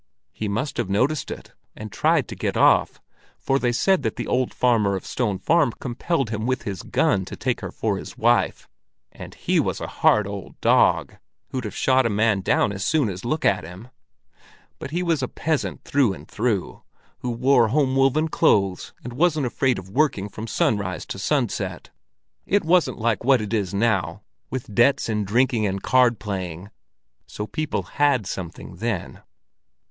He must have noticed it, and tried to get off, for they said that the old farmer of Stone Farm compelled him with his gun to take her for his wife; and he was a hard old dog, who'd have shot a man down as soon as look at him. But he was a peasant through and through, who wore home woven clothes, and wasn't afraid of working from sunrise to sunset. It wasn't like what it is now, with debts and drinking and card playing, so people had something then."